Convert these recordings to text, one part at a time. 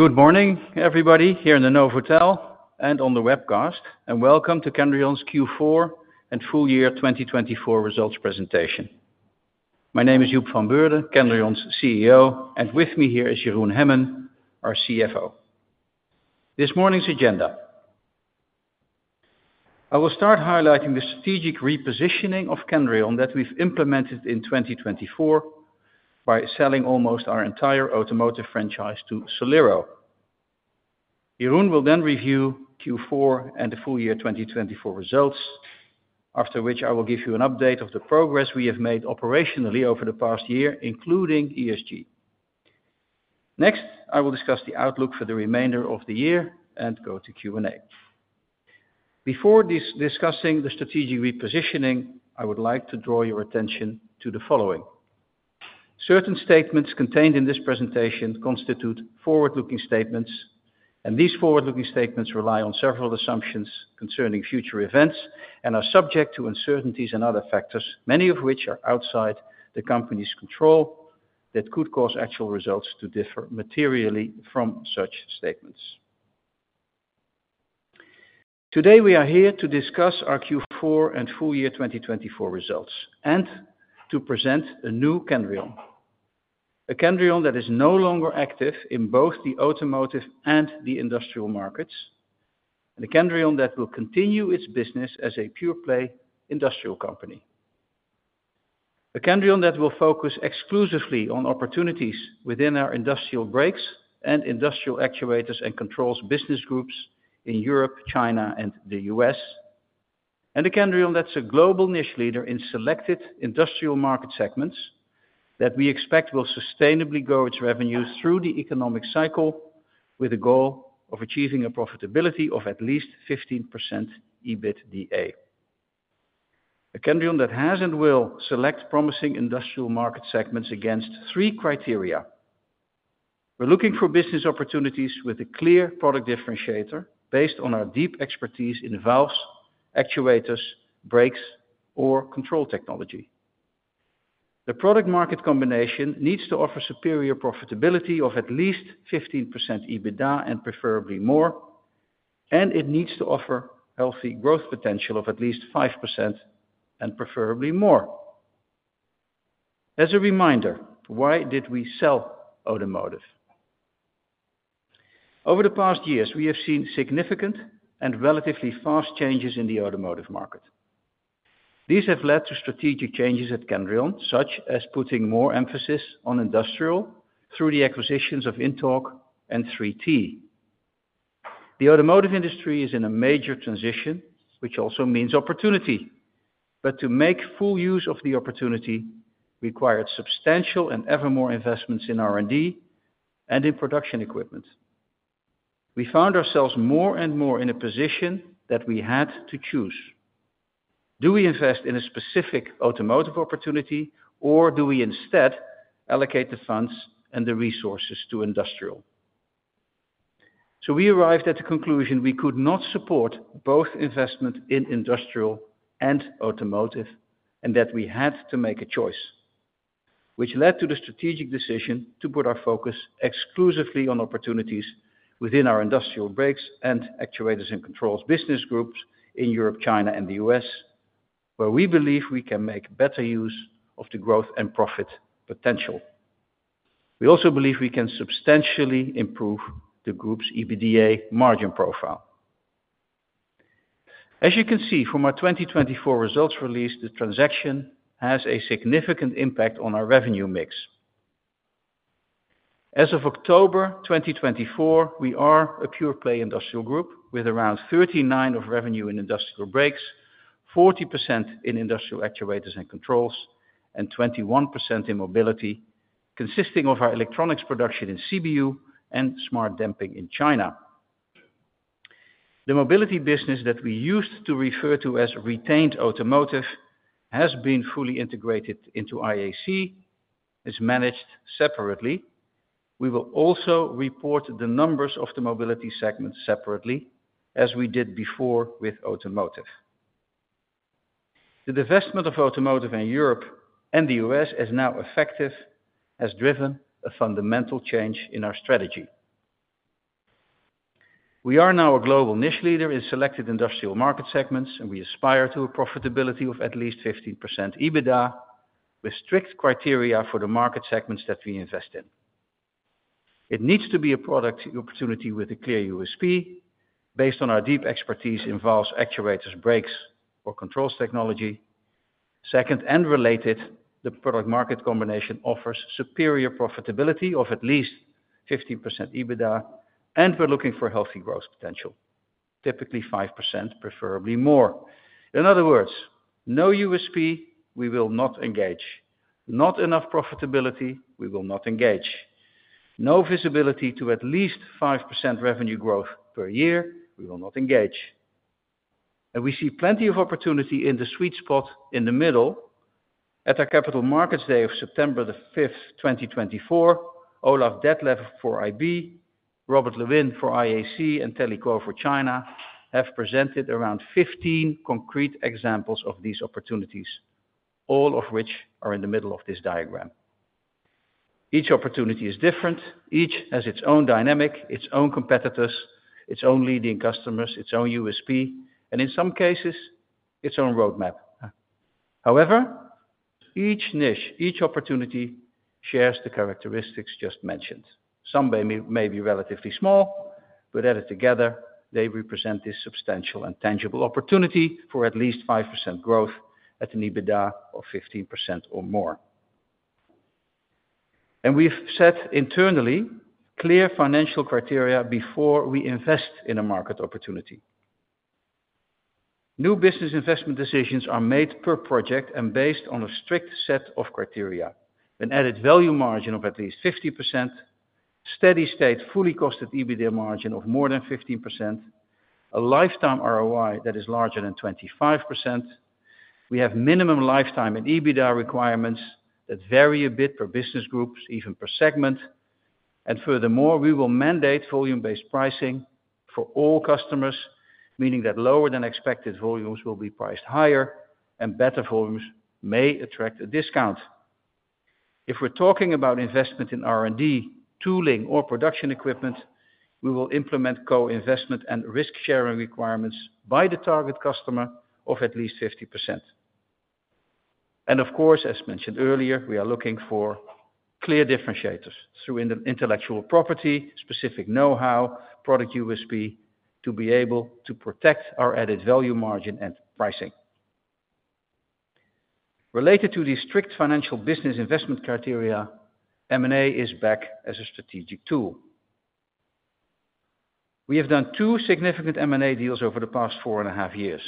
Good morning, everybody here in the Novotel and on the webcast, and welcome to Kendrion's Q4 and full year 2024 results presentation. My name is Joep van Beurden, Kendrion's CEO, and with me here is Jeroen Hemmen, our CFO. This morning's agenda: I will start highlighting the strategic repositioning of Kendrion that we've implemented in 2024 by selling almost our entire automotive franchise to Solero. Jeroen will then review Q4 and the full year 2024 results, after which I will give you an update of the progress we have made operationally over the past year, including ESG. Next, I will discuss the outlook for the remainder of the year and go to Q&A. Before discussing the strategic repositioning, I would like to draw your attention to the following: certain statements contained in this presentation constitute forward-looking statements, and these forward-looking statements rely on several assumptions concerning future events and are subject to uncertainties and other factors, many of which are outside the company's control, that could cause actual results to differ materially from such statements. Today, we are here to discuss our Q4 and full year 2024 results and to present a new Kendrion: a Kendrion that is no longer active in both the automotive and the industrial markets, and a Kendrion that will continue its business as a pure-play industrial company. A Kendrion that will focus exclusively on opportunities within our industrial brakes and industrial actuators and controls business groups in Europe, China, and the U.S., and a Kendrion that's a global niche leader in selected industrial market segments that we expect will sustainably grow its revenues through the economic cycle with a goal of achieving a profitability of at least 15% EBITDA. A Kendrion that has and will select promising industrial market segments against three criteria: we're looking for business opportunities with a clear product differentiator based on our deep expertise in valves, actuators, brakes, or control technology. The product-market combination needs to offer superior profitability of at least 15% EBITDA and preferably more, and it needs to offer healthy growth potential of at least 5% and preferably more. As a reminder, why did we sell automotive? Over the past years, we have seen significant and relatively fast changes in the automotive market. These have led to strategic changes at Kendrion, such as putting more emphasis on industrial through the acquisitions of INTORQ and 3T. The automotive industry is in a major transition, which also means opportunity. To make full use of the opportunity required substantial and evermore investments in R&D and in production equipment. We found ourselves more and more in a position that we had to choose: do we invest in a specific automotive opportunity, or do we instead allocate the funds and the resources to industrial? We arrived at the conclusion we could not support both investment in industrial and automotive and that we had to make a choice, which led to the strategic decision to put our focus exclusively on opportunities within our industrial brakes and actuators and controls business groups in Europe, China, and the U.S., where we believe we can make better use of the growth and profit potential. We also believe we can substantially improve the group's EBITDA margin profile. As you can see from our 2024 results release, the transaction has a significant impact on our revenue mix. As of October 2024, we are a pure-play industrial group with around 39% of revenue in industrial brakes, 40% in industrial actuators and controls, and 21% in mobility, consisting of our electronics production in CBU and smart damping in China. The mobility business that we used to refer to as retained automotive has been fully integrated into IAC, is managed separately. We will also report the numbers of the mobility segment separately, as we did before with automotive. The divestment of automotive in Europe and the U.S. is now effective, has driven a fundamental change in our strategy. We are now a global niche leader in selected industrial market segments, and we aspire to a profitability of at least 15% EBITDA with strict criteria for the market segments that we invest in. It needs to be a product opportunity with a clear USP based on our deep expertise in valves, actuators, brakes, or controls technology. Second, and related, the product-market combination offers superior profitability of at least 15% EBITDA, and we're looking for healthy growth potential, typically 5%, preferably more. In other words, no USP, we will not engage. Not enough profitability, we will not engage. No visibility to at least 5% revenue growth per year, we will not engage. We see plenty of opportunity in the sweet spot in the middle. At our capital markets day of September 5th, 2024, Olaf Detlef for IB, Robert Lewin for IAC, and Telly Kuo for China have presented around 15 concrete examples of these opportunities, all of which are in the middle of this diagram. Each opportunity is different. Each has its own dynamic, its own competitors, its own leading customers, its own USP, and in some cases, its own roadmap. However, each niche, each opportunity shares the characteristics just mentioned. Some may be relatively small, but added together, they represent this substantial and tangible opportunity for at least 5% growth at an EBITDA of 15% or more. We have set internally clear financial criteria before we invest in a market opportunity. New business investment decisions are made per project and based on a strict set of criteria: an added value margin of at least 50%, steady state fully costed EBITDA margin of more than 15%, a lifetime ROI that is larger than 25%. We have minimum lifetime and EBITDA requirements that vary a bit per business group, even per segment. Furthermore, we will mandate volume-based pricing for all customers, meaning that lower than expected volumes will be priced higher and better volumes may attract a discount. If we are talking about investment in R&D, tooling, or production equipment, we will implement co-investment and risk-sharing requirements by the target customer of at least 50%. Of course, as mentioned earlier, we are looking for clear differentiators through intellectual property, specific know-how, product USP to be able to protect our added value margin and pricing. Related to these strict financial business investment criteria, M&A is back as a strategic tool. We have done two significant M&A deals over the past four and a half years.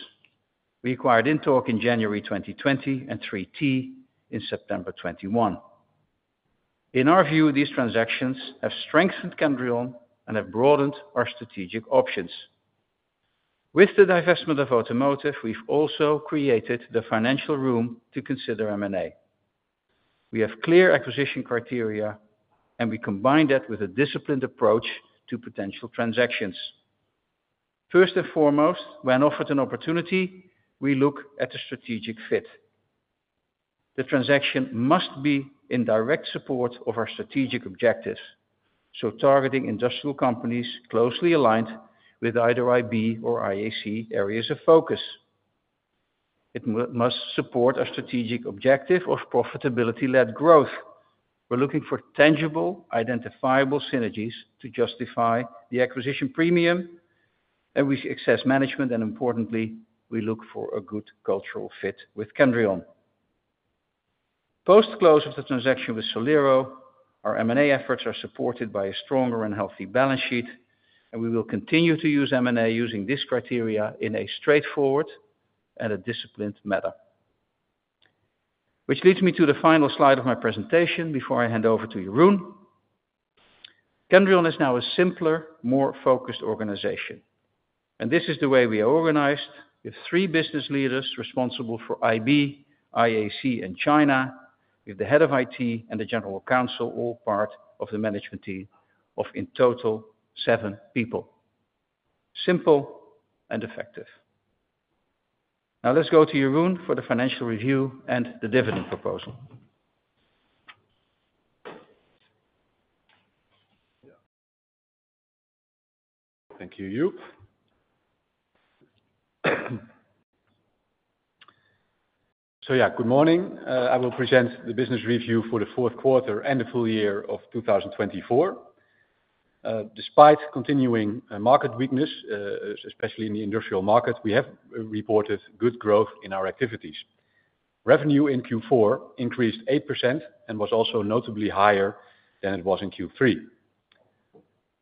We acquired INTORQ in January 2020 and 3T in September 2021. In our view, these transactions have strengthened Kendrion and have broadened our strategic options. With the divestment of automotive, we have also created the financial room to consider M&A. We have clear acquisition criteria, and we combine that with a disciplined approach to potential transactions. First and foremost, when offered an opportunity, we look at a strategic fit. The transaction must be in direct support of our strategic objectives, so targeting industrial companies closely aligned with either IB or IAC areas of focus. It must support a strategic objective of profitability-led growth. We're looking for tangible, identifiable synergies to justify the acquisition premium, and we access management, and importantly, we look for a good cultural fit with Kendrion. Post-close of the transaction with Solero, our M&A efforts are supported by a stronger and healthy balance sheet, and we will continue to use M&A using these criteria in a straightforward and a disciplined manner. This leads me to the final slide of my presentation before I hand over to Jeroen. Kendrion is now a simpler, more focused organization, and this is the way we are organized. We have three business leaders responsible for IB, IAC, and China, with the Head of IT and the General Counsel all part of the management team of in total seven people. Simple and effective. Now let's go to Jeroen for the financial review and the dividend proposal. Thank you, Joep. Yeah, good morning. I will present the business review for the fourth quarter and the full year of 2024. Despite continuing market weakness, especially in the industrial market, we have reported good growth in our activities. Revenue in Q4 increased 8% and was also notably higher than it was in Q3.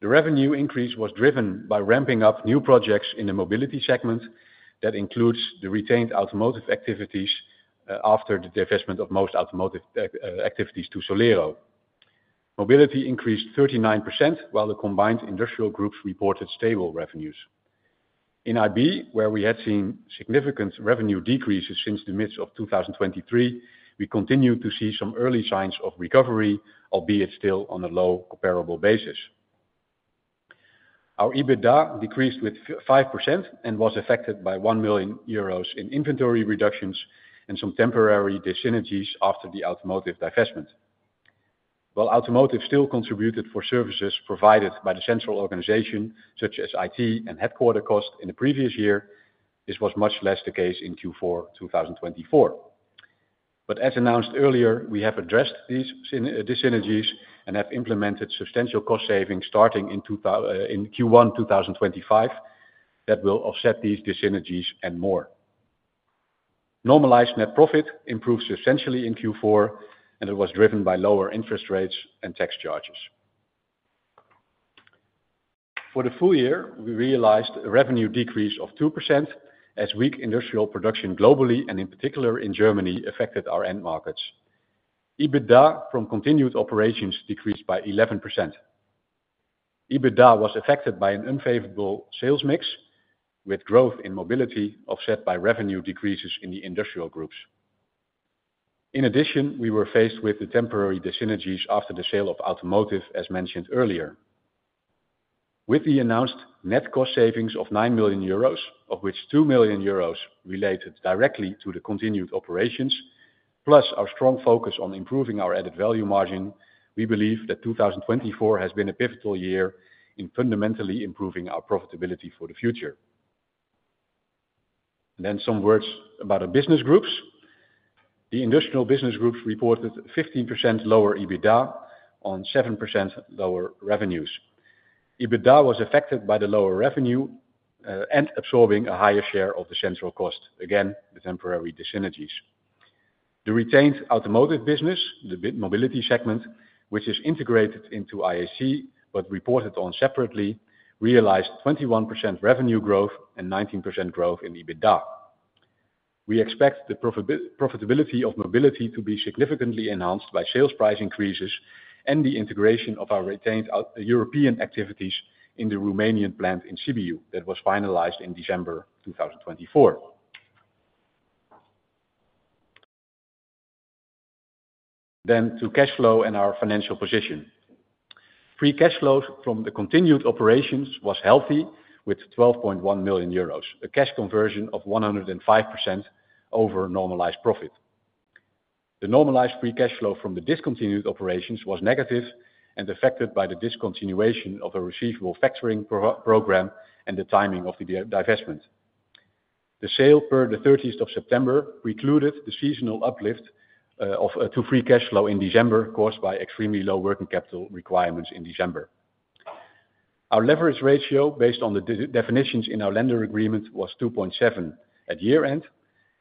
The revenue increase was driven by ramping up new projects in the mobility segment that includes the retained automotive activities after the divestment of most automotive activities to Solero. Mobility increased 39%, while the combined industrial groups reported stable revenues. In IB, where we had seen significant revenue decreases since the midst of 2023, we continue to see some early signs of recovery, albeit still on a low comparable basis. Our EBITDA decreased 5% and was affected by 1 million euros in inventory reductions and some temporary synergies after the automotive divestment. While automotive still contributed for services provided by the central organization, such as IT and headquarter cost in the previous year, this was much less the case in Q4 2024. As announced earlier, we have addressed these synergies and have implemented substantial cost savings starting in Q1 2025 that will offset these synergies and more. Normalized net profit improved substantially in Q4, and it was driven by lower interest rates and tax charges. For the full year, we realized a revenue decrease of 2% as weak industrial production globally and in particular in Germany affected our end markets. EBITDA from continued operations decreased by 11%. EBITDA was affected by an unfavorable sales mix, with growth in mobility offset by revenue decreases in the industrial groups. In addition, we were faced with the temporary synergies after the sale of automotive, as mentioned earlier, with the announced net cost savings of 9 million euros, of which 2 million euros related directly to the continued operations. Plus our strong focus on improving our added value margin, we believe that 2024 has been a pivotal year in fundamentally improving our profitability for the future. Some words about our business groups. The industrial business groups reported 15% lower EBITDA on 7% lower revenues. EBITDA was affected by the lower revenue and absorbing a higher share of the central cost, again the temporary synergies. The retained automotive business, the mobility segment, which is integrated into IAC but reported on separately, realized 21% revenue growth and 19% growth in EBITDA. We expect the profitability of mobility to be significantly enhanced by sales price increases and the integration of our retained European activities in the Romanian plant in CBU that was finalized in December 2024. To cash flow and our financial position. Free cash flow from the continued operations was healthy with 12.1 million euros, a cash conversion of 105% over normalized profit. The normalized free cash flow from the discontinued operations was negative and affected by the discontinuation of a receivable factoring program and the timing of the divestment. The sale per the 30th of September precluded the seasonal uplift of free cash flow in December caused by extremely low working capital requirements in December. Our leverage ratio based on the definitions in our lender agreement was 2.7 million at year end,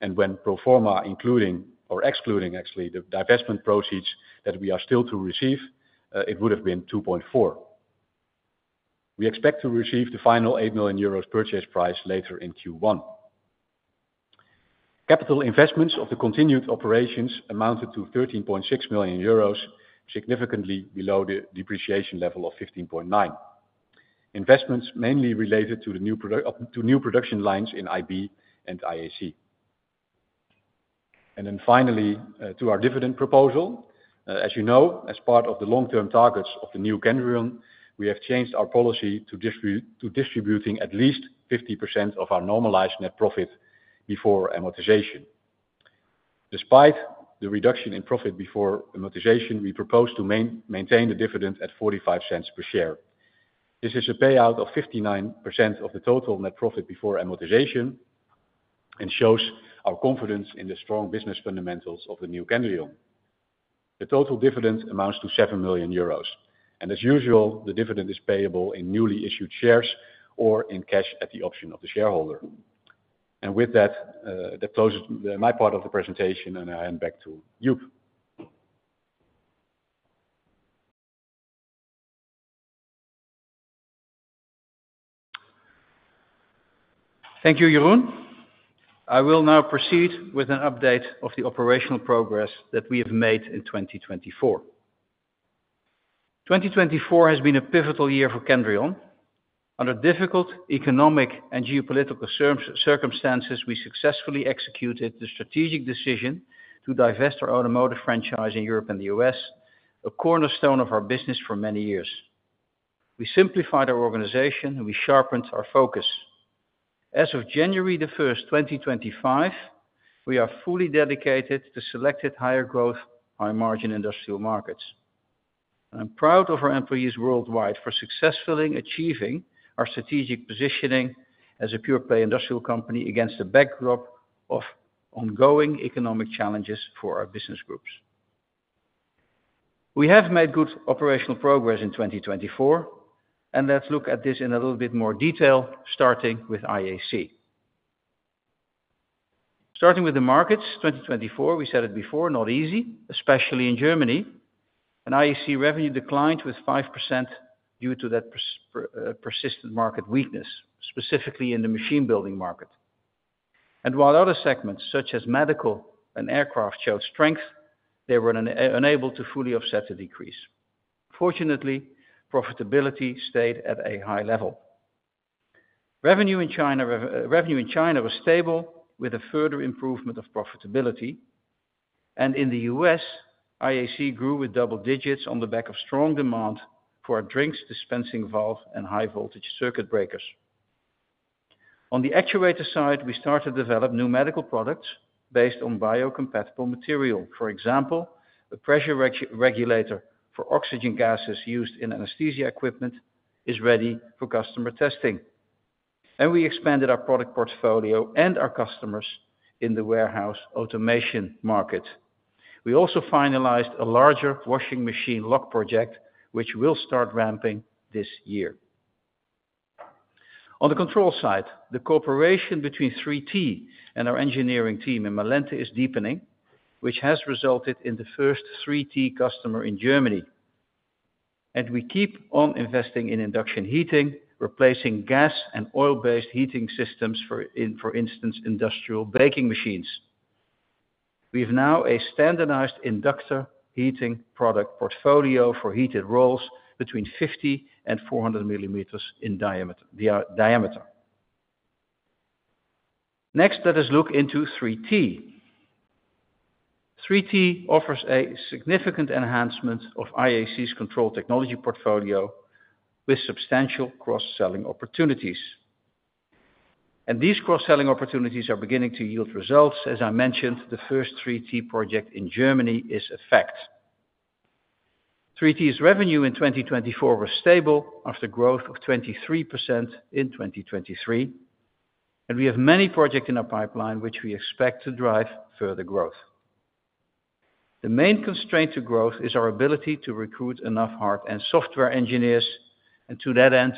and when pro forma, including or excluding actually the divestment proceeds that we are still to receive, it would have been 2.4 million. We expect to receive the final 8 million euros purchase price later in Q1. Capital investments of the continued operations amounted to 13.6 million euros, significantly below the depreciation level of 15.9 million. Investments mainly related to new production lines in IB and IAC. Finally, to our dividend proposal. As you know, as part of the long-term targets of the new Kendrion, we have changed our policy to distributing at least 50% of our normalized net profit before amortization. Despite the reduction in profit before amortization, we propose to maintain the dividend at 0.45 per share. This is a payout of 59% of the total net profit before amortization and shows our confidence in the strong business fundamentals of the new Kendrion. The total dividend amounts to 7 million euros, and as usual, the dividend is payable in newly issued shares or in cash at the option of the shareholder. That closes my part of the presentation, and I hand back to Joep. Thank you, Jeroen. I will now proceed with an update of the operational progress that we have made in 2024. 2024 has been a pivotal year for Kendrion. Under difficult economic and geopolitical circumstances, we successfully executed the strategic decision to divest our automotive franchise in Europe and the U.S., a cornerstone of our business for many years. We simplified our organization, and we sharpened our focus. As of January 1st, 2025, we are fully dedicated to selected higher growth, high margin industrial markets. I'm proud of our employees worldwide for successfully achieving our strategic positioning as a pure play industrial company against the backdrop of ongoing economic challenges for our business groups. We have made good operational progress in 2024, and let's look at this in a little bit more detail, starting with IAC. Starting with the markets, 2024, we said it before, not easy, especially in Germany. IAC revenue declined with 5% due to that persistent market weakness, specifically in the machine building market. While other segments such as medical and aircraft showed strength, they were unable to fully offset the decrease. Fortunately, profitability stayed at a high level. Revenue in China was stable with a further improvement of profitability. In the U.S., IAC grew with double digits on the back of strong demand for our drinks dispensing valve and high voltage circuit breakers. On the actuator side, we started to develop new medical products based on biocompatible material. For example, a pressure regulator for oxygen gases used in anesthesia equipment is ready for customer testing. We expanded our product portfolio and our customers in the warehouse automation market. We also finalized a larger washing machine lock project, which we'll start ramping this year. On the control side, the cooperation between 3T and our engineering team in Malente is deepening, which has resulted in the first 3T customer in Germany. We keep on investing in induction heating, replacing gas and oil-based heating systems for, for instance, industrial baking machines. We have now a standardized inductor heating product portfolio for heated rolls between 50 mm and 400 mm in diameter. Next, let us look into 3T. 3T offers a significant enhancement of IAC's control technology portfolio with substantial cross-selling opportunities. These cross-selling opportunities are beginning to yield results. As I mentioned, the first 3T project in Germany is a fact. 3T's revenue in 2024 was stable after growth of 23% in 2023, and we have many projects in our pipeline, which we expect to drive further growth. The main constraint to growth is our ability to recruit enough hard and software engineers. To that end,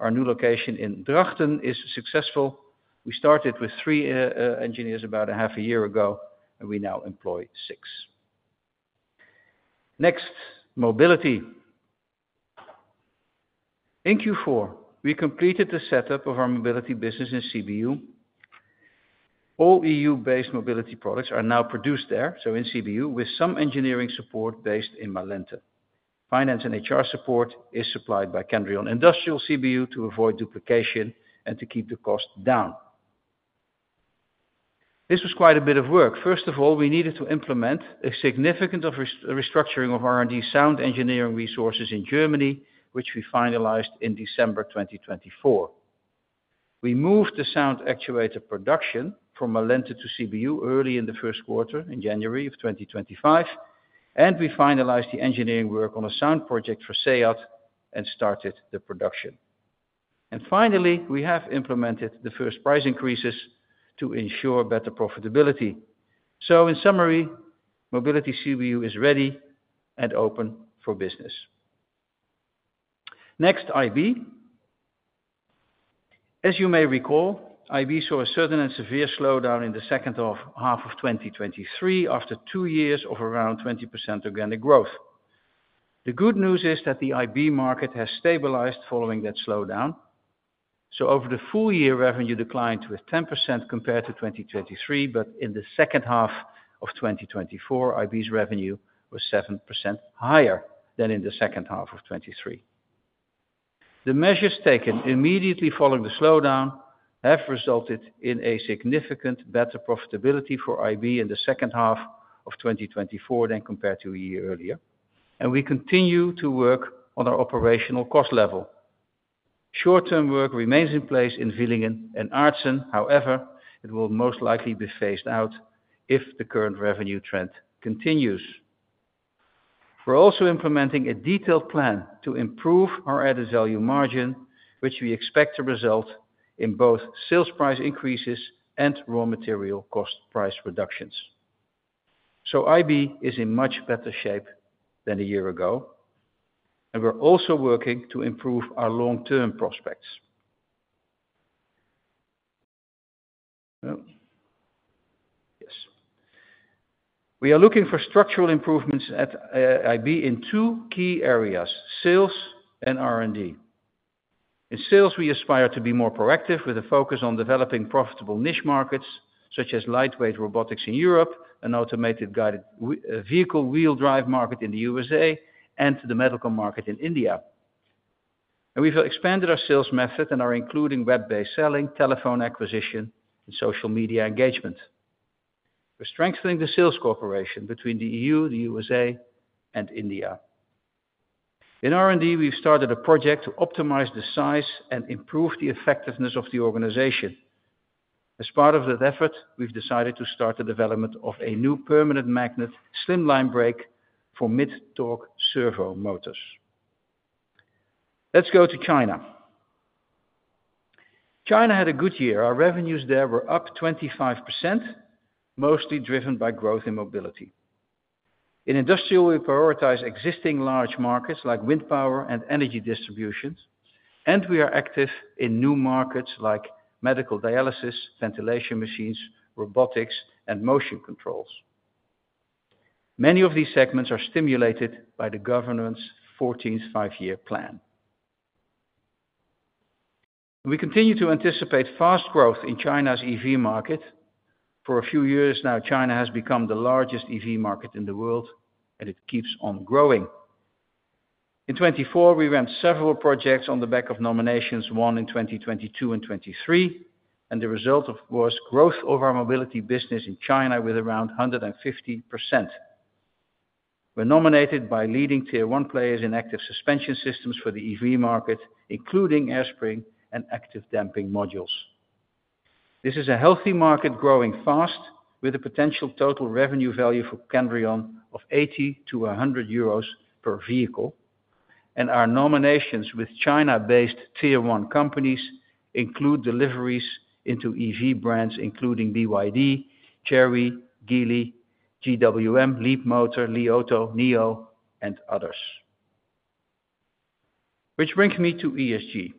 our new location in Drachten is successful. We started with three engineers about half a year ago, and we now employ six. Next, mobility. In Q4, we completed the setup of our mobility business in CBU. All EU-based mobility products are now produced there, in CBU, with some engineering support based in Malente. Finance and HR support is supplied by Kendrion Industrial CBU to avoid duplication and to keep the cost down. This was quite a bit of work. First of all, we needed to implement a significant restructuring of R&D sound engineering resources in Germany, which we finalized in December 2024. We moved the sound actuator production from Malente to CBU early in the first quarter in January 2025, and we finalized the engineering work on a sound project for Seat and started the production. Finally, we have implemented the first price increases to ensure better profitability. In summary, mobility CBU is ready and open for business. Next, IB. As you may recall, IB saw a sudden and severe slowdown in the second half of 2023 after two years of around 20% organic growth. The good news is that the IB market has stabilized following that slowdown. Over the full year, revenue declined with 10% compared to 2023, but in the second half of 2024, IB's revenue was 7% higher than in the second half of 2023. The measures taken immediately following the slowdown have resulted in a significant better profitability for IB in the second half of 2024 than compared to a year earlier. We continue to work on our operational cost level. Short-term work remains in place in Villingen and Aerzen. However, it will most likely be phased out if the current revenue trend continues. We're also implementing a detailed plan to improve our added value margin, which we expect to result in both sales price increases and raw material cost price reductions. IB is in much better shape than a year ago, and we're also working to improve our long-term prospects. Yes, we are looking for structural improvements at IB in two key areas: sales and R&D. In sales, we aspire to be more proactive with a focus on developing profitable niche markets such as lightweight robotics in Europe, an automated guided vehicle wheel drive market in the USA, and the medical market in India. We've expanded our sales method and are including web-based selling, telephone acquisition, and social media engagement. We're strengthening the sales cooperation between the EU, the USA, and India. In R&D, we've started a project to optimize the size and improve the effectiveness of the organization. As part of that effort, we've decided to start the development of a new permanent magnet slimline brake for mid-torque servo motors. Let's go to China. China had a good year. Our revenues there were up 25%, mostly driven by growth in mobility. In industrial, we prioritize existing large markets like wind power and energy distributions, and we are active in new markets like medical dialysis, ventilation machines, robotics, and motion controls. Many of these segments are stimulated by the government's 14th five-year plan. We continue to anticipate fast growth in China's EV market. For a few years now, China has become the largest EV market in the world, and it keeps on growing. In 2024, we ran several projects on the back of nominations, won in 2022 and 2023, and the result was growth of our mobility business in China with around 150%. We are nominated by leading tier one players in active suspension systems for the EV market, including air spring and active damping modules. This is a healthy market growing fast, with a potential total revenue value for Kendrion of 80-100 euros per vehicle. Our nominations with China-based tier one companies include deliveries into EV brands, including BYD, Chery, Geely, GWM, Leap Motor, Li Auto, NIO, and others. This brings me to ESG.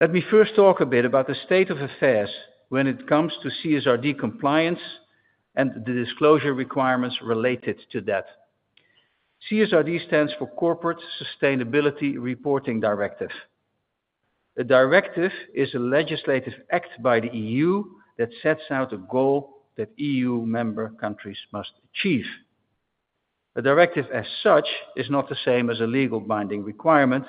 Let me first talk a bit about the state of affairs when it comes to CSRD compliance and the disclosure requirements related to that. CSRD stands for Corporate Sustainability Reporting Directive. The directive is a legislative act by the EU that sets out a goal that EU member countries must achieve. A directive as such is not the same as a legal binding requirement.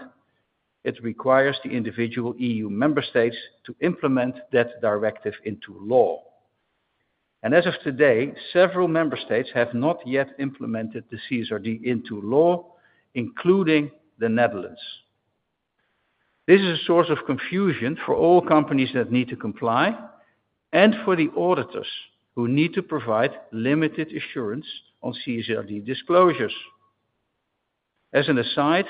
It requires the individual EU member states to implement that directive into law. As of today, several member states have not yet implemented the CSRD into law, including the Netherlands. This is a source of confusion for all companies that need to comply and for the auditors who need to provide limited assurance on CSRD disclosures. As an aside,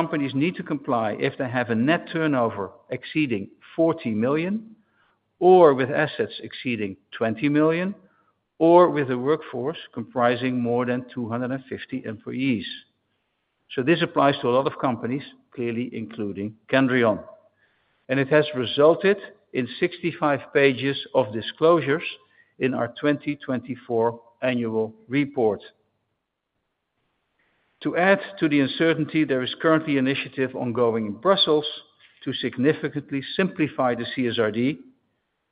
companies need to comply if they have a net turnover exceeding 40 million or with assets exceeding 20 million or with a workforce comprising more than 250 employees. This applies to a lot of companies, clearly including Kendrion. It has resulted in 65 pages of disclosures in our 2024 annual report. To add to the uncertainty, there is currently an initiative ongoing in Brussels to significantly simplify the CSRD,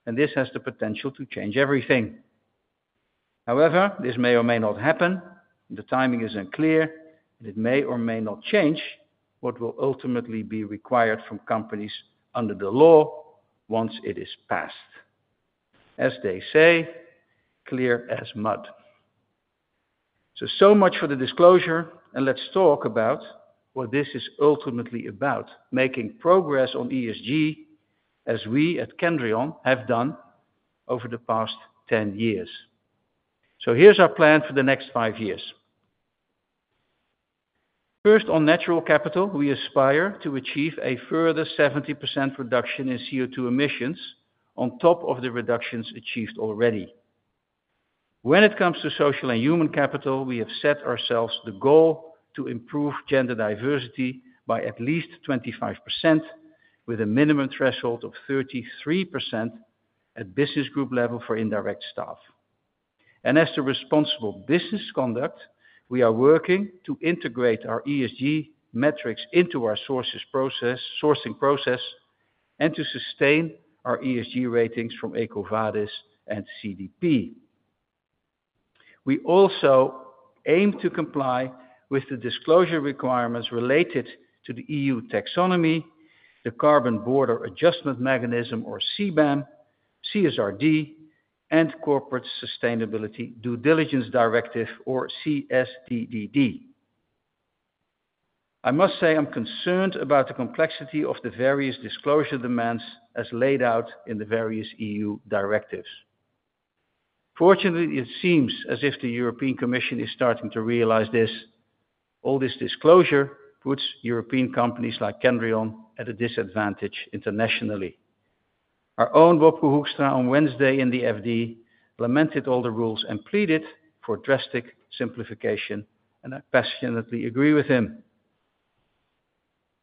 and this has the potential to change everything. However, this may or may not happen. The timing is unclear, and it may or may not change what will ultimately be required from companies under the law once it is passed. As they say, clear as mud. So much for the disclosure, and let's talk about what this is ultimately about, making progress on ESG, as we at Kendrion have done over the past 10 years. Here's our plan for the next five years. First, on natural capital, we aspire to achieve a further 70% reduction in CO2 emissions on top of the reductions achieved already. When it comes to social and human capital, we have set ourselves the goal to improve gender diversity by at least 25%, with a minimum threshold of 33% at business group level for indirect staff. As to responsible business conduct, we are working to integrate our ESG metrics into our sourcing process and to sustain our ESG ratings from EcoVadis and CDP. We also aim to comply with the disclosure requirements related to the EU taxonomy, the carbon border adjustment mechanism, or CBAM, CSRD, and Corporate Sustainability Due Diligence Directive, or CSDDD. I must say I'm concerned about the complexity of the various disclosure demands as laid out in the various EU directives. Fortunately, it seems as if the European Commission is starting to realize this. All this disclosure puts European companies like Kendrion at a disadvantage internationally. Our own Wopke Hoekstra on Wednesday in the FD lamented all the rules and pleaded for drastic simplification, and I passionately agree with him.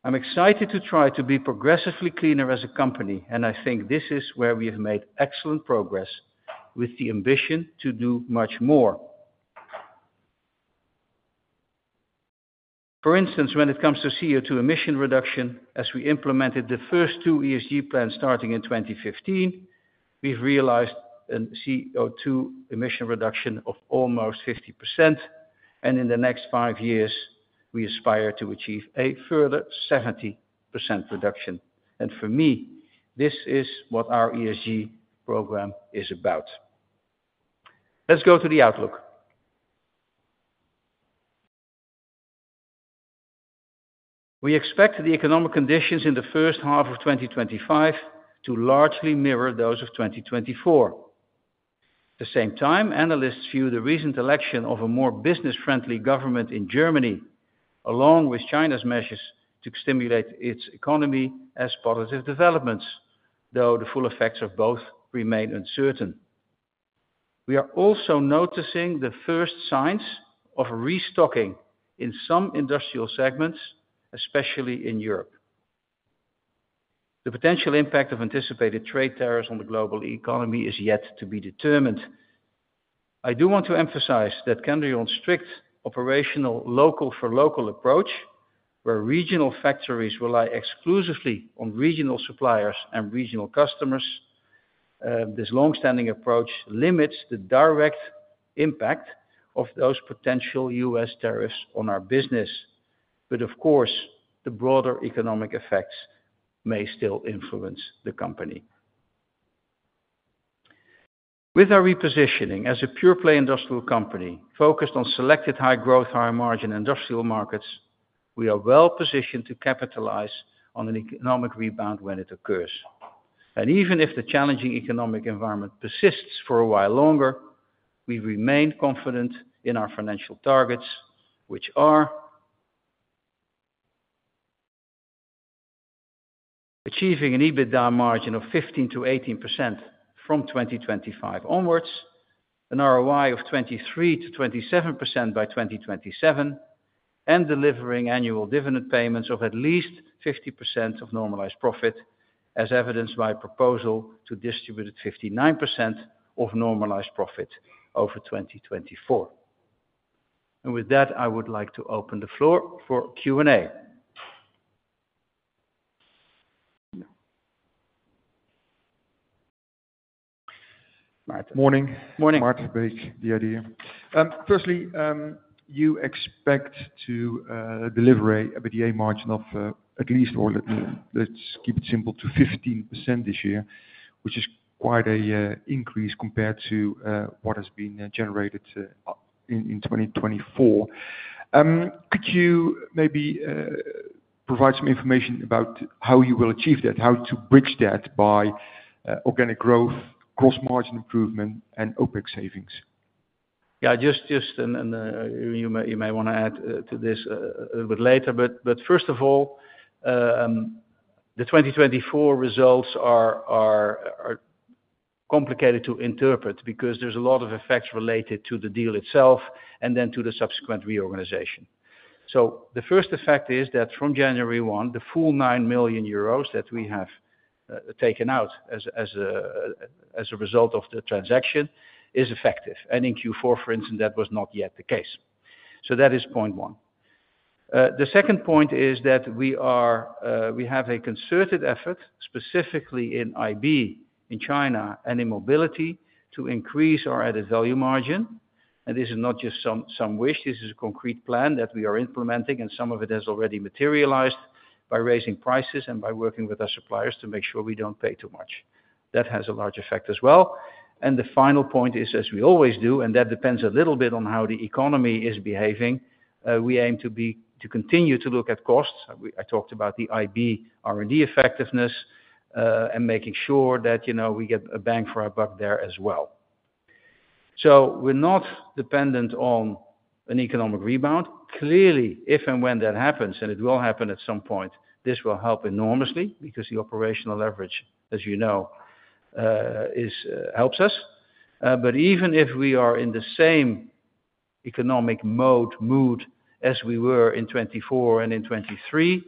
I'm excited to try to be progressively cleaner as a company, and I think this is where we have made excellent progress with the ambition to do much more. For instance, when it comes to CO2 emission reduction, as we implemented the first two ESG plans starting in 2015, we've realized a CO2 emission reduction of almost 50%, and in the next five years, we aspire to achieve a further 70% reduction. For me, this is what our ESG program is about. Let's go to the outlook. We expect the economic conditions in the first half of 2025 to largely mirror those of 2024. At the same time, analysts view the recent election of a more business-friendly government in Germany, along with China's measures to stimulate its economy, as positive developments, though the full effects of both remain uncertain. We are also noticing the first signs of restocking in some industrial segments, especially in Europe. The potential impact of anticipated trade tariffs on the global economy is yet to be determined. I do want to emphasize that Kendrion's strict operational local-for-local approach, where regional factories rely exclusively on regional suppliers and regional customers, this long-standing approach limits the direct impact of those potential US tariffs on our business. Of course, the broader economic effects may still influence the company. With our repositioning as a pure-play industrial company focused on selected high-growth, high-margin industrial markets, we are well positioned to capitalize on an economic rebound when it occurs. Even if the challenging economic environment persists for a while longer, we remain confident in our financial targets, which are achieving an EBITDA margin of 15%-18% from 2025 onwards, an ROI of 23%-27% by 2027, and delivering annual dividend payments of at least 50% of normalized profit, as evidenced by a proposal to distribute 59% of normalized profit over 2024. With that, I would like to open the floor for Q&A. Good morning. Martijn Den Drijver. Firstly, you expect to deliver a margin of at least, or let's keep it simple, to 15% this year, which is quite an increase compared to what has been generated in 2024. Could you maybe provide some information about how you will achieve that, how to bridge that by organic growth, gross margin improvement, and OPEX savings? Yeah, just, and you may want to add to this a little bit later, but first of all, the 2024 results are complicated to interpret because there's a lot of effects related to the deal itself and then to the subsequent reorganization. The first effect is that from January 1, the full 9 million euros that we have taken out as a result of the transaction is effective. In Q4, for instance, that was not yet the case. That is point one. The second point is that we have a concerted effort, specifically in IB in China and in mobility, to increase our added value margin. This is not just some wish. This is a concrete plan that we are implementing, and some of it has already materialized by raising prices and by working with our suppliers to make sure we do not pay too much. That has a large effect as well. The final point is, as we always do, and that depends a little bit on how the economy is behaving, we aim to continue to look at costs. I talked about the IB R&D effectiveness and making sure that we get a bang for our buck there as well. We are not dependent on an economic rebound. Clearly, if and when that happens, and it will happen at some point, this will help enormously because the operational leverage, as you know, helps us. Even if we are in the same economic mood as we were in 2024 and in 2023,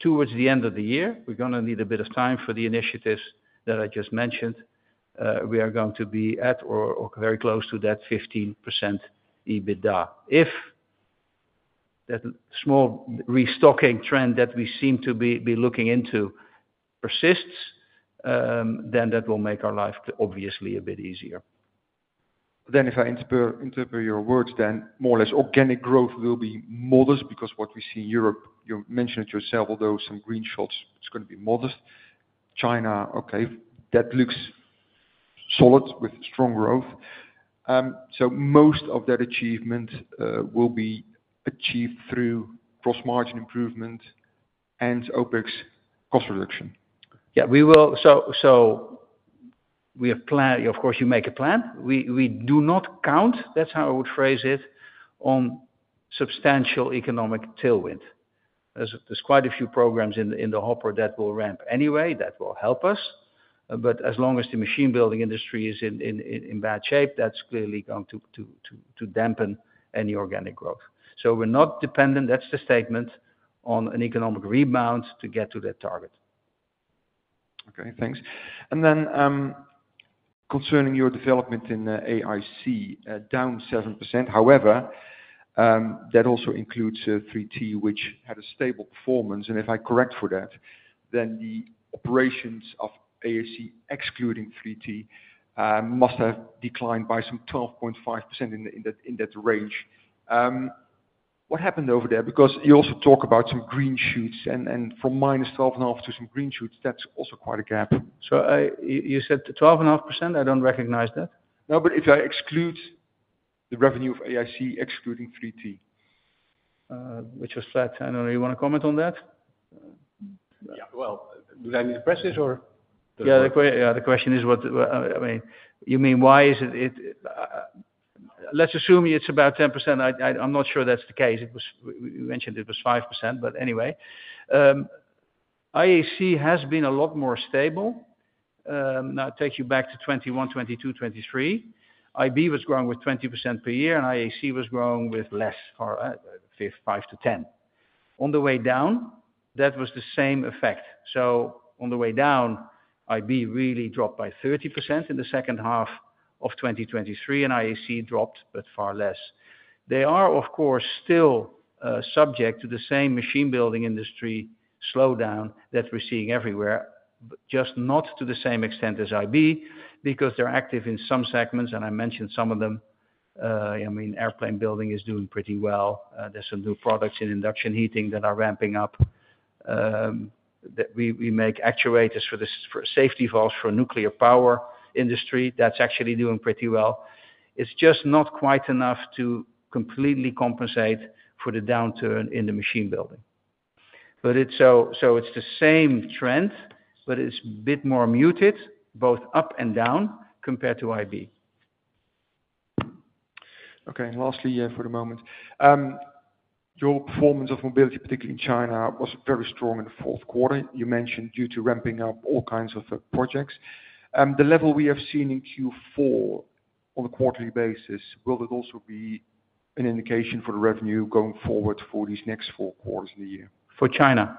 towards the end of the year, we are going to need a bit of time for the initiatives that I just mentioned. We are going to be at or very close to that 15% EBITDA. If that small restocking trend that we seem to be looking into persists, that will make our life obviously a bit easier. If I interpret your words, then more or less organic growth will be modest because what we see in Europe, you mentioned it yourself, although some green shoots, it is going to be modest. China, okay, that looks solid with strong growth. Most of that achievement will be achieved through gross margin improvement and OPEX cost reduction. Yeah, we will. We have a plan. Of course, you make a plan. We do not count, that is how I would phrase it, on substantial economic tailwind. There are quite a few programs in the hopper that will ramp anyway, that will help us. As long as the machine building industry is in bad shape, that is clearly going to dampen any organic growth. We're not dependent, that's the statement, on an economic rebound to get to that target. Okay, thanks. Concerning your development in IAC, down 7%. However, that also includes 3T, which had a stable performance. If I correct for that, then the operations of IAC, excluding 3T, must have declined by some 12.5% in that range. What happened over there? Because you also talk about some green shoots, and from minus 12.5% to some green shoots, that's also quite a gap. You said 12.5%? I don't recognize that. No, but if I exclude the revenue of IAC, excluding 3T, which was flat. I don't know. Do you want to comment on that? Yeah, do I need to press this or? The question is what I mean. You mean why is it? Let's assume it's about 10%. I'm not sure that's the case. You mentioned it was 5%, but anyway. IAC has been a lot more stable. Now it takes you back to 2021, 2022, 2023. IB was growing with 20% per year, and IAC was growing with less, 5%-10%. On the way down, that was the same effect. On the way down, IB really dropped by 30% in the second half of 2023, and IAC dropped, but far less. They are, of course, still subject to the same machine building industry slowdown that we're seeing everywhere, just not to the same extent as IB because they're active in some segments, and I mentioned some of them. I mean, airplane building is doing pretty well. There's some new products in induction heating that are ramping up. We make actuators for safety valves for nuclear power industry. That's actually doing pretty well. It's just not quite enough to completely compensate for the downturn in the machine building. It is the same trend, but it is a bit more muted, both up and down, compared to IB. Okay, lastly for the moment, your performance of mobility, particularly in China, was very strong in the fourth quarter. You mentioned due to ramping up all kinds of projects. The level we have seen in Q4 on a quarterly basis, will that also be an indication for the revenue going forward for these next four quarters of the year? For China?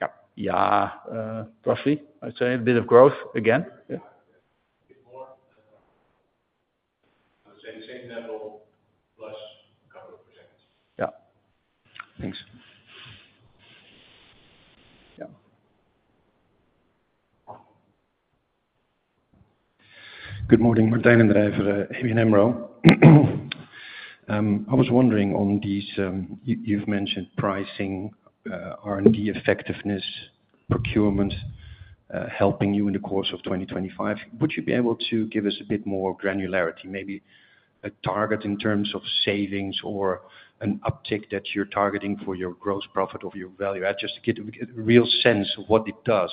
Yeah. Yeah, roughly, I'd say. A bit of growth again. Yeah. Same level plus a couple of percent. Yeah. Thanks. Yeah. Good morning, [Martijn den Drijver], [Emmero]. I was wondering on these, you have mentioned pricing, R&D effectiveness, procurement, helping you in the course of 2025. Would you be able to give us a bit more granularity, maybe a target in terms of savings or an uptick that you're targeting for your gross profit or your value add? Just to get a real sense of what it does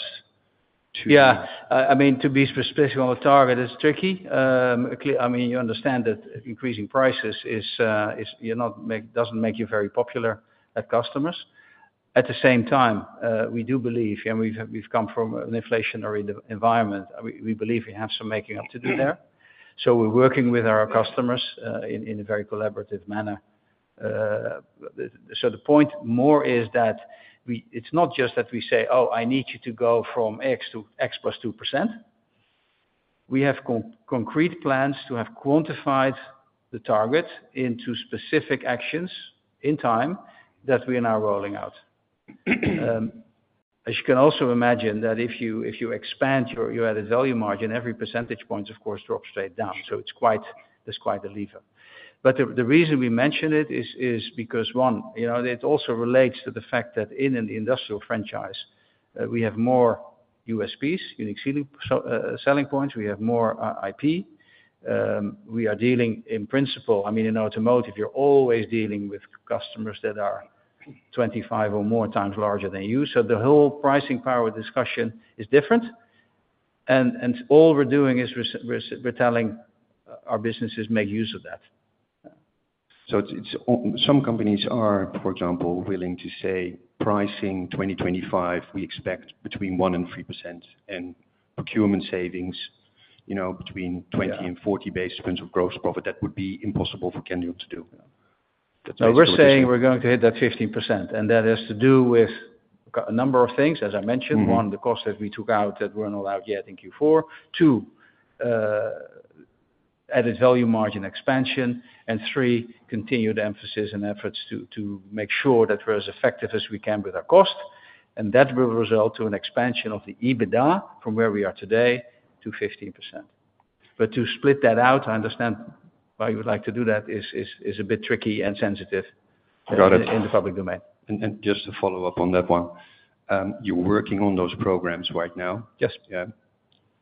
to. Yeah. I mean, to be specific on a target, it's tricky. I mean, you understand that increasing prices doesn't make you very popular at customers. At the same time, we do believe, and we've come from an inflationary environment, we believe we have some making up to do there. We are working with our customers in a very collaborative manner. The point more is that it's not just that we say, "Oh, I need you to go from X to X + 2%." We have concrete plans to have quantified the target into specific actions in time that we are now rolling out. As you can also imagine that if you expand your added value margin, every percentage point, of course, drops straight down. It is quite a lever. The reason we mention it is because, one, it also relates to the fact that in the industrial franchise, we have more USPs, unique selling points. We have more IP. We are dealing, in principle, I mean, in automotive, you're always dealing with customers that are 25 or more times larger than you. The whole pricing power discussion is different. All we're doing is we're telling our businesses to make use of that. Some companies are, for example, willing to say, "Pricing 2025, we expect between 1% and 3%, and procurement savings between 20% and 40% based on gross profit." That would be impossible for Kendrion to do. No, we're saying we're going to hit that 15%. That has to do with a number of things, as I mentioned. One, the cost that we took out that were not allowed yet in Q4. Two, added value margin expansion. Three, continued emphasis and efforts to make sure that we are as effective as we can with our cost. That will result in an expansion of the EBITDA from where we are today to 15%. To split that out, I understand why you would like to do that. It is a bit tricky and sensitive in the public domain. Just to follow up on that one, you are working on those programs right now? Yes. Yeah.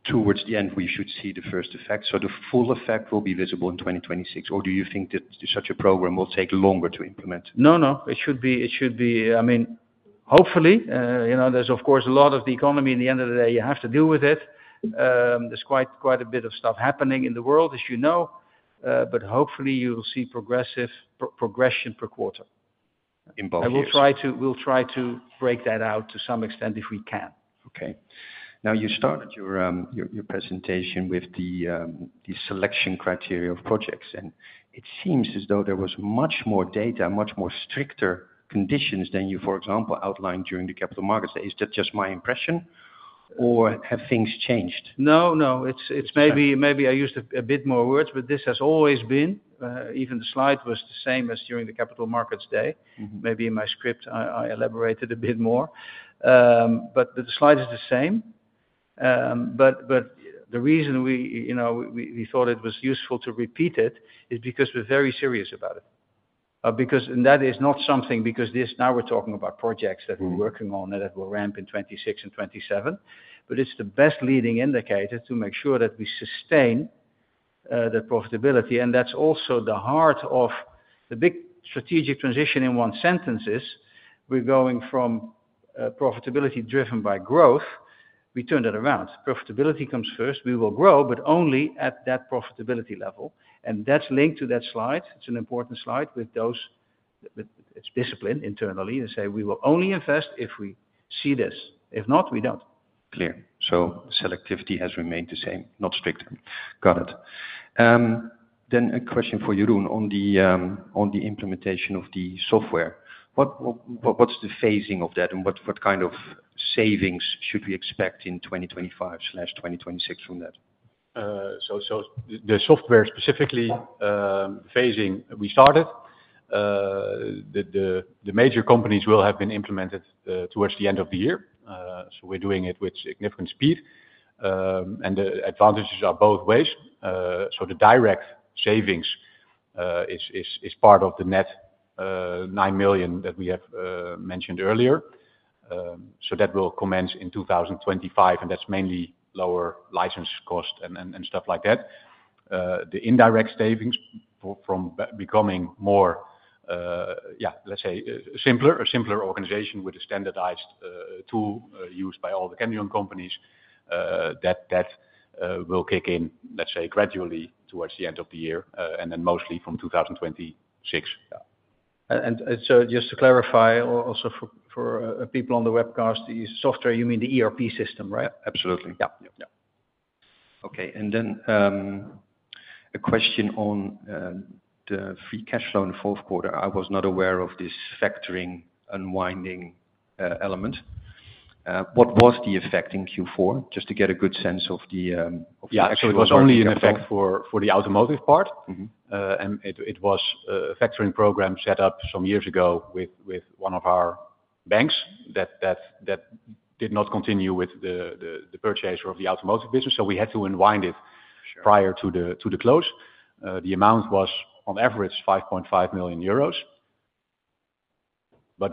Towards the end, we should see the first effect. The full effect will be visible in 2026, or do you think that such a program will take longer to implement? No, no. It should be, I mean, hopefully. There's, of course, a lot of the economy in the end of the day. You have to deal with it. There's quite a bit of stuff happening in the world, as you know. Hopefully, you will see progression per quarter. We'll try to break that out to some extent if we can. Okay. You started your presentation with the selection criteria of projects. It seems as though there was much more data, much more stricter conditions than you, for example, outlined during the capital markets. Is that just my impression, or have things changed? No, no. Maybe I used a bit more words, but this has always been. Even the slide was the same as during the capital markets day. Maybe in my script, I elaborated a bit more. The slide is the same. The reason we thought it was useful to repeat it is because we're very serious about it. That is not something because now we're talking about projects that we're working on and that will ramp in 2026 and 2027. It's the best leading indicator to make sure that we sustain that profitability. That's also the heart of the big strategic transition in one sentence: we're going from profitability driven by growth. We turned it around. Profitability comes first. We will grow, but only at that profitability level. That's linked to that slide. It's an important slide with those discipline internally and say, "We will only invest if we see this. If not, we don't." Clear. Selectivity has remained the same, not stricter. Got it. A question for Jeroen on the implementation of the software. What's the phasing of that, and what kind of savings should we expect in 2025/2026 from that? The software specifically, phasing, we started. The major companies will have been implemented towards the end of the year. We're doing it with significant speed. The advantages are both ways. The direct savings is part of the net 9 million that we have mentioned earlier. That will commence in 2025, and that's mainly lower license cost and stuff like that. The indirect savings from becoming more, yeah, let's say, simpler, a simpler organization with a standardized tool used by all the Kendrion companies, that will kick in, let's say, gradually towards the end of the year and then mostly from 2026. Yeah. Just to clarify also for people on the webcast, the software, you mean the ERP system, right? Absolutely. Yeah. Yeah. Okay. Then a question on the free cash flow in the fourth quarter. I was not aware of this factoring unwinding element. What was the effect in Q4? Just to get a good sense of the actual effect. Yeah, it was only an effect for the automotive part. It was a factoring program set up some years ago with one of our banks that did not continue with the purchase of the automotive business. We had to unwind it prior to the close. The amount was, on average, 5.5 million euros.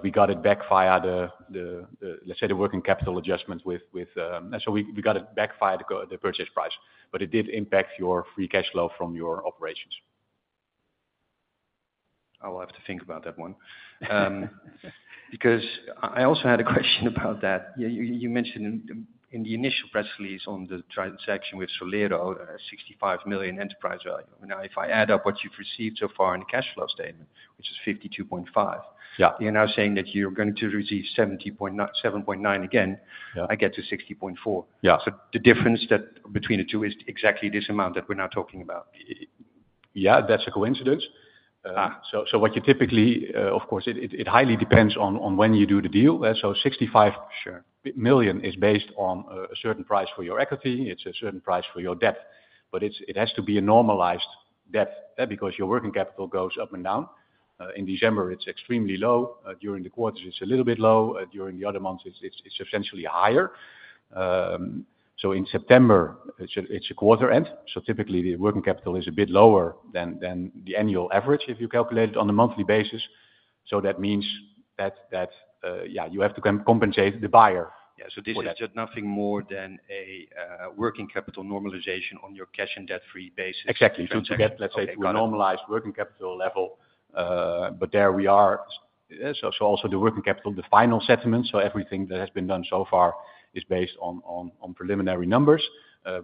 We got it back via the, let's say, the working capital adjustment, so we got it back via the purchase price. It did impact your free cash flow from your operations. I will have to think about that one because I also had a question about that. You mentioned in the initial press release on the transaction with Solero, 65 million enterprise value. Now, if I add up what you've received so far in the cash flow statement, which is 52.5 million, you're now saying that you're going to receive 7.9 million again. I get to 60.4 million. The difference between the two is exactly this amount that we're now talking about. Yeah, that's a coincidence. What you typically, of course, it highly depends on when you do the deal. 65 million is based on a certain price for your equity. It's a certain price for your debt. It has to be a normalized debt because your working capital goes up and down. In December, it's extremely low. During the quarters, it's a little bit low. During the other months, it's essentially higher. In September, it's a quarter end. Typically, the working capital is a bit lower than the annual average if you calculate it on a monthly basis. That means you have to compensate the buyer. This is just nothing more than a working capital normalization on your cash and debt-free basis. Exactly. To get, let's say, to a normalized working capital level. There we are. Also, the working capital, the final settlement, everything that has been done so far is based on preliminary numbers.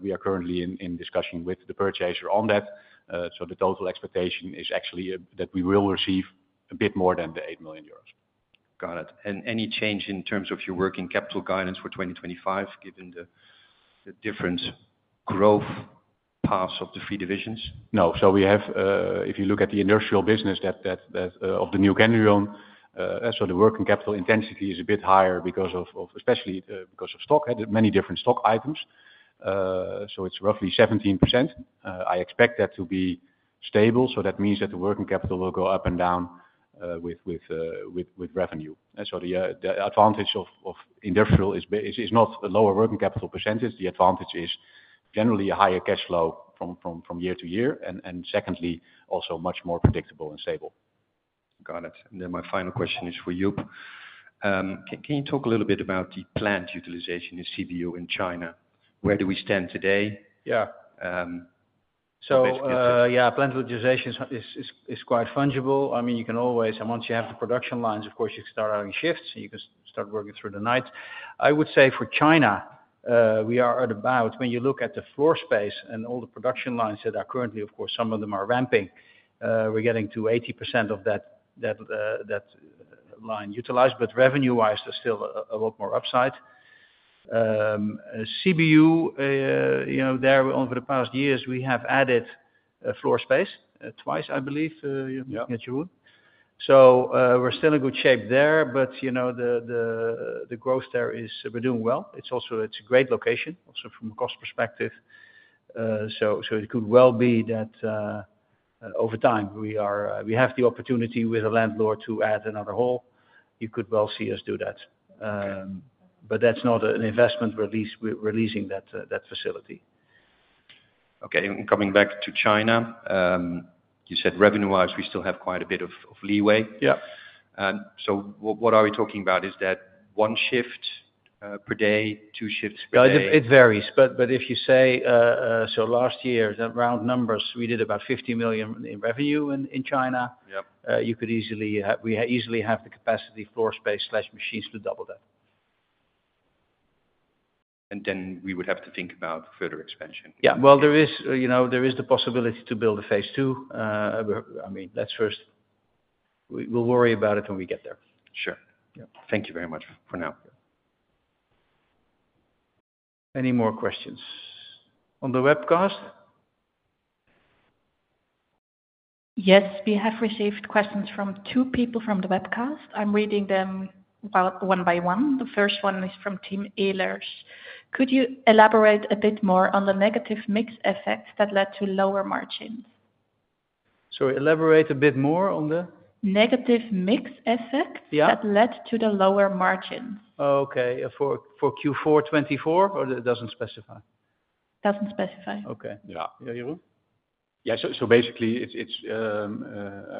We are currently in discussion with the purchaser on that. The total expectation is actually that we will receive a bit more than 8 million euros. Got it. Any change in terms of your working capital guidance for 2025, given the different growth paths of the three divisions? No. If you look at the industrial business of the new Kendrion, the working capital intensity is a bit higher, especially because of stock, many different stock items. It is roughly 17%. I expect that to be stable. That means that the working capital will go up and down with revenue. The advantage of industrial is not a lower working capital percentage. The advantage is generally a higher cash flow from year to year. Secondly, also much more predictable and stable. Got it. My final question is for Jeroen. Can you talk a little bit about the plant utilization in CBU in China? Where do we stand today? Yeah. Plant utilization is quite fungible. I mean, you can always, once you have the production lines, you can start having shifts and you can start working through the night. I would say for China, we are at about, when you look at the floor space and all the production lines that are currently, of course, some of them are ramping, we're getting to 80% of that line utilized. Revenue-wise, there's still a lot more upside. CBU, there over the past years, we have added floor space twice, I believe, Jeroen. We are still in good shape there. The growth there is, we're doing well. It's also a great location, also from a cost perspective. It could well be that over time, we have the opportunity with a landlord to add another hall. You could well see us do that. That is not an investment releasing that facility. Okay. Coming back to China, you said revenue-wise, we still have quite a bit of leeway. What are we talking about? Is that one shift per day, two shifts per day? It varies. If you say, last year, round numbers, we did about 50 million in revenue in China. You could easily have the capacity, floor space, slash machines to double that. Then we would have to think about further expansion. There is the possibility to build a phase two. I mean, we'll worry about it when we get there. Thank you very much for now. Any more questions on the webcast? Yes. We have received questions from two people from the webcast. I'm reading them one by one. The first one is from Tim Ehlers. Could you elaborate a bit more on the negative mix effect that led to lower margins? Elaborate a bit more on the negative mix effect that led to the lower margins. Okay. For Q4 2024, or it doesn't specify? Doesn't specify. Okay. Yeah. Jeroen? Yeah.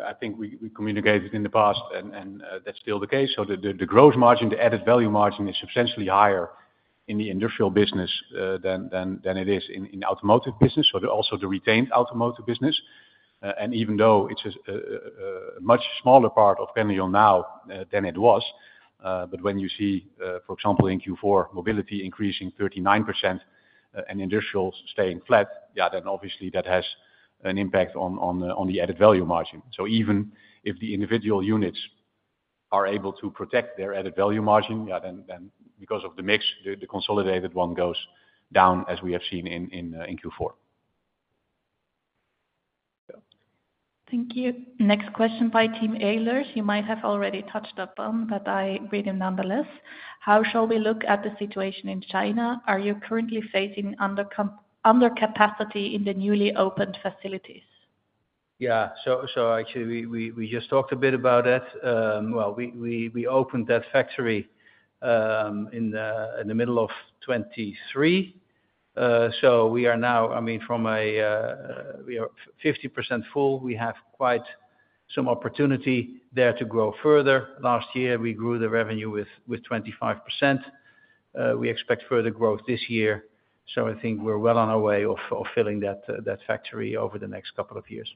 I think we communicated in the past, and that's still the case. The gross margin, the added value margin is substantially higher in the industrial business than it is in the automotive business, so also the retained automotive business. Even though it's a much smaller part of Kendrion now than it was, when you see, for example, in Q4, mobility increasing 39% and industrial staying flat, that obviously has an impact on the added value margin. Even if the individual units are able to protect their added value margin, because of the mix, the consolidated one goes down as we have seen in Q4. Thank you. Next question by Tim Ehlers. You might have already touched upon, but I read him nonetheless. How shall we look at the situation in China? Are you currently facing undercapacity in the newly opened facilities? Yeah. Actually, we just talked a bit about that. We opened that factory in the middle of 2023. We are now, I mean, from a 50% full, we have quite some opportunity there to grow further. Last year, we grew the revenue with 25%. We expect further growth this year. I think we're well on our way of filling that factory over the next couple of years.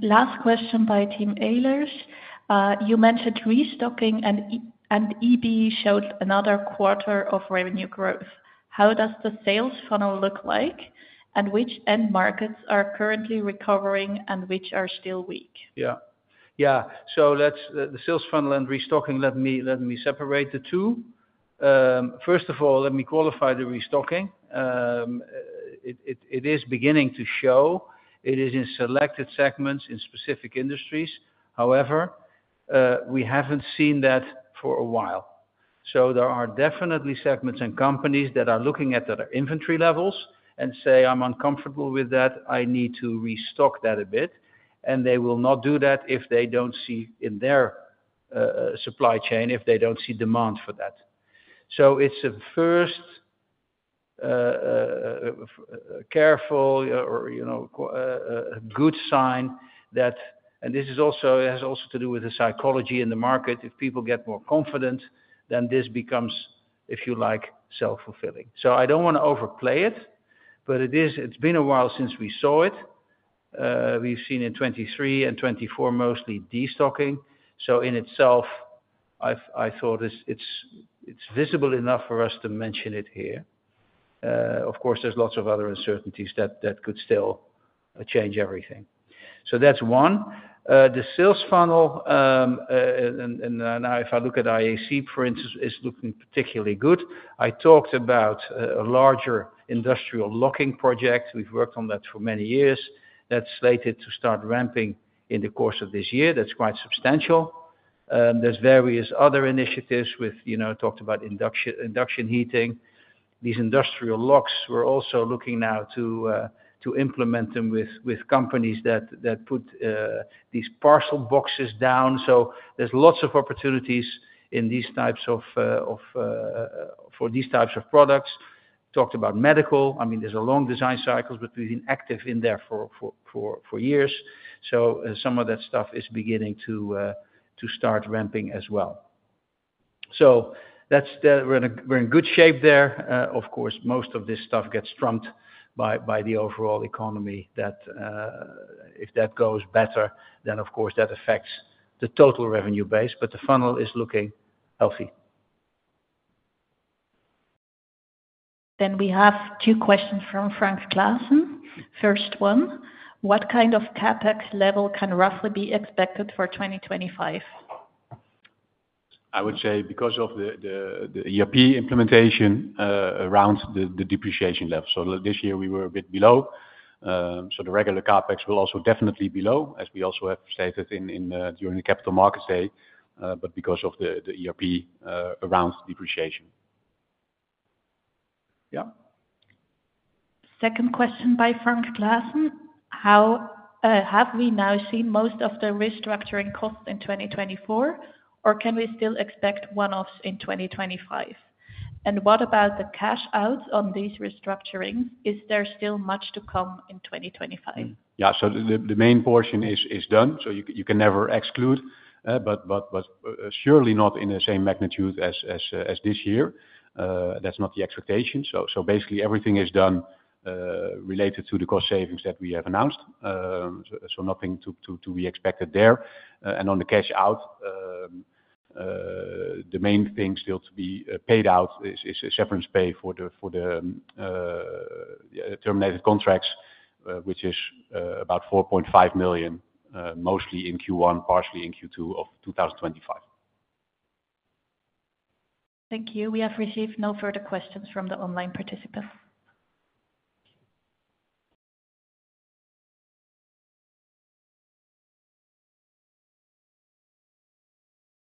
Last question by Tim Ehlers. You mentioned restocking, and EB showed another quarter of revenue growth. How does the sales funnel look like, and which end markets are currently recovering and which are still weak? Yeah. The sales funnel and restocking, let me separate the two. First of all, let me qualify the restocking. It is beginning to show. It is in selected segments in specific industries. However, we haven't seen that for a while. There are definitely segments and companies that are looking at their inventory levels and say, "I'm uncomfortable with that. I need to restock that a bit." They will not do that if they don't see in their supply chain, if they don't see demand for that. It is a first careful or good sign that, and this also has to do with the psychology in the market. If people get more confident, then this becomes, if you like, self-fulfilling. I don't want to overplay it, but it's been a while since we saw it. We've seen in 2023 and 2024 mostly destocking. In itself, I thought it's visible enough for us to mention it here. Of course, there's lots of other uncertainties that could still change everything. That's one. The sales funnel, and now if I look at IAC, for instance, is looking particularly good. I talked about a larger industrial locking project. We've worked on that for many years. That's slated to start ramping in the course of this year. That's quite substantial. There's various other initiatives with, talked about induction heating. These industrial locks, we're also looking now to implement them with companies that put these parcel boxes down. There's lots of opportunities for these types of products. Talked about medical. I mean, there's a long design cycle, but we've been active in there for years. Some of that stuff is beginning to start ramping as well. We're in good shape there. Of course, most of this stuff gets trumped by the overall economy that if that goes better, then of course, that affects the total revenue base. The funnel is looking healthy. We have two questions from Frank Claassen. First one, what kind of CapEx level can roughly be expected for 2025? I would say because of the ERP implementation around the depreciation level. This year, we were a bit below. The regular CapEx will also definitely be low, as we also have stated during the capital markets day, but because of the ERP around depreciation. Second question by Frank Claassen. Have we now seen most of the restructuring costs in 2024, or can we still expect one-offs in 2025? What about the cash out on these restructurings? Is there still much to come in 2025? The main portion is done. You can never exclude, but surely not in the same magnitude as this year. That is not the expectation. Basically, everything is done related to the cost savings that we have announced. Nothing to be expected there. On the cash out, the main thing still to be paid out is severance pay for the terminated contracts, which is about 4.5 million, mostly in Q1, partially in Q2 of 2025. Thank you. We have received no further questions from the online participants.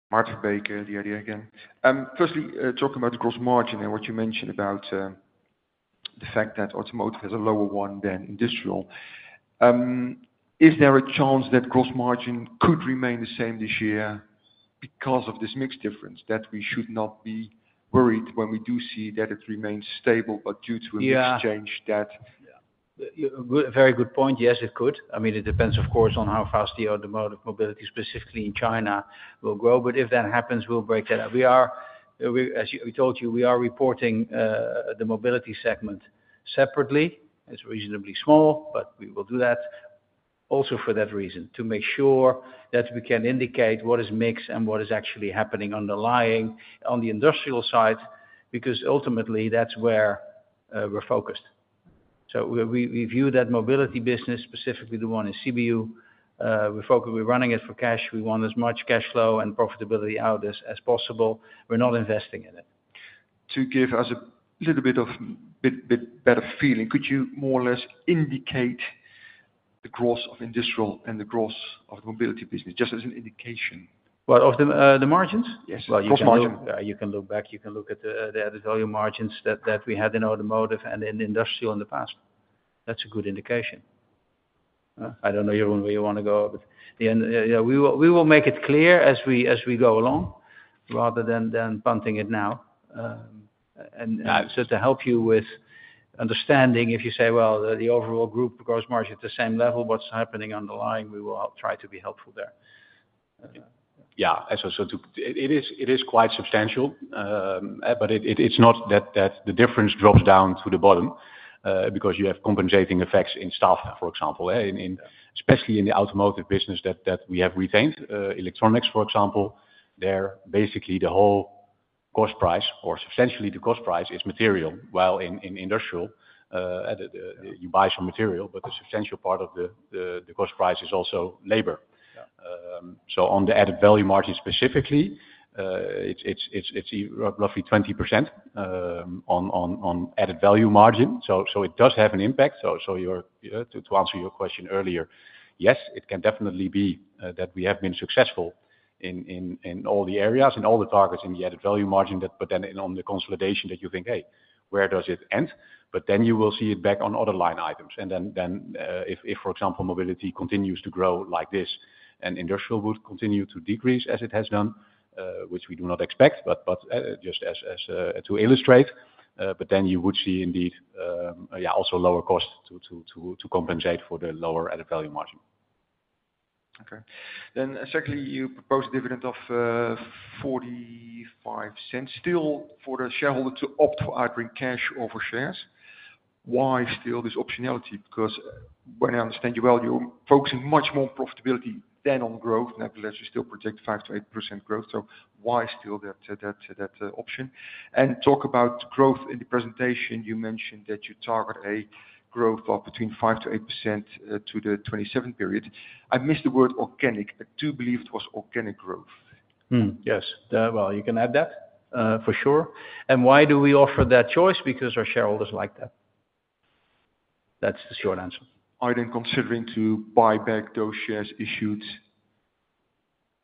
Martijn den Drijver, again. Firstly, talking about the gross margin and what you mentioned about the fact that automotive has a lower one than industrial. Is there a chance that gross margin could remain the same this year because of this mix difference, that we should not be worried when we do see that it remains stable, but due to a mix change that? Yeah. Very good point. Yes, it could. I mean, it depends, of course, on how fast the automotive mobility, specifically in China, will grow. If that happens, we'll break that out. As I told you, we are reporting the mobility segment separately. It's reasonably small, but we will do that also for that reason, to make sure that we can indicate what is mixed and what is actually happening underlying on the industrial side, because ultimately, that's where we're focused. We view that mobility business, specifically the one in CBU, we're running it for cash. We want as much cash flow and profitability out as possible. We're not investing in it. To give us a little bit better feeling, could you more or less indicate the gross of industrial and the gross of the mobility business, just as an indication? What, of the margins? Yes. You can look at, you can look back, you can look at the added value margins that we had in automotive and in industrial in the past. That's a good indication. I don't know, Jeroen, where you want to go, but yeah, we will make it clear as we go along rather than punting it now. To help you with understanding, if you say, "Well, the overall group gross margin is the same level, what's happening underlying," we will try to be helpful there. It is quite substantial, but it's not that the difference drops down to the bottom because you have compensating effects in stuff, for example, especially in the automotive business that we have retained. Electronics, for example, they're basically the whole cost price, or substantially the cost price is material, while in industrial, you buy some material, but a substantial part of the cost price is also labor. On the added value margin specifically, it's roughly 20% on added value margin. It does have an impact. To answer your question earlier, yes, it can definitely be that we have been successful in all the areas, in all the targets in the added value margin, but then on the consolidation that you think, "Hey, where does it end?" You will see it back on other line items. If, for example, mobility continues to grow like this, and industrial would continue to decrease as it has done, which we do not expect, but just to illustrate, then you would see indeed, yeah, also lower cost to compensate for the lower added value margin. Okay. You proposed a dividend of 0.45 still for the shareholder to opt for outright cash over shares. Why still this optionality? Because when I understand you well, you're focusing much more on profitability than on growth. Nevertheless, you still project 5-8% growth. Why still that option? You talk about growth in the presentation. You mentioned that you target a growth of between 5-8% to the 2027 period. I missed the word organic. I do believe it was organic growth. Yes. You can add that for sure. Why do we offer that choice? Because our shareholders like that. That's the short answer. Are they considering to buy back those shares issued?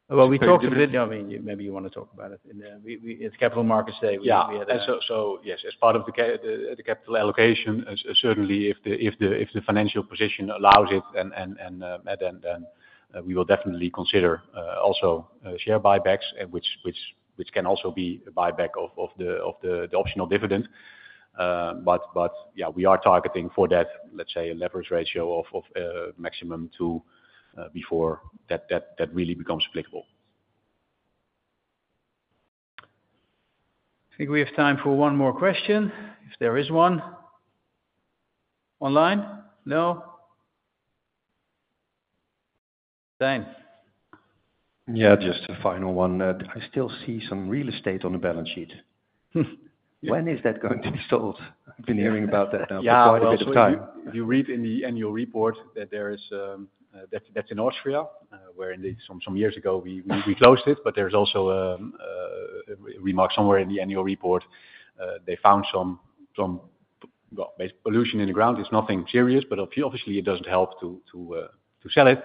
We talked a bit. I mean, maybe you want to talk about it. In the capital markets day, we had that. Yes, as part of the capital allocation, certainly if the financial position allows it, then we will definitely consider also share buybacks, which can also be a buyback of the optional dividend. We are targeting for that, let's say, a leverage ratio of maximum two before that really becomes applicable. I think we have time for one more question, if there is one online. No? Thanks. Just a final one. I still see some real estate on the balance sheet. When is that going to be sold? I've been hearing about that now for quite a bit of time. Yeah. You read in the annual report that there is, that's in Austria, where some years ago, we closed it, but there's also a remark somewhere in the annual report. They found some pollution in the ground. It's nothing serious, but obviously, it doesn't help to sell it.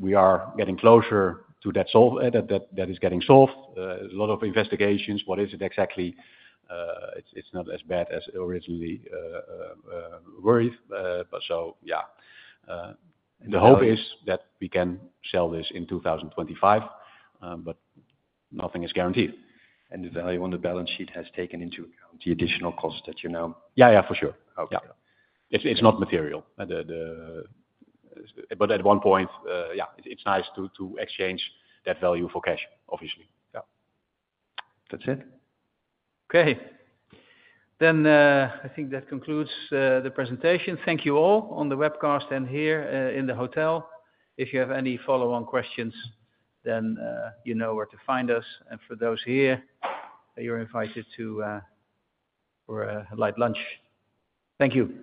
We are getting closer to that, that is getting solved. There's a lot of investigations. What is it exactly? It's not as bad as originally worried. Yeah. The hope is that we can sell this in 2025, but nothing is guaranteed. The value on the balance sheet has taken into account the additional cost that you know. Yeah, yeah, for sure. It's not material. At one point, it's nice to exchange that value for cash, obviously. That's it. Okay. I think that concludes the presentation. Thank you all on the webcast and here in the hotel. If you have any follow-on questions, you know where to find us. For those here, you're invited to a light lunch. Thank you.